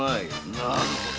なるほど。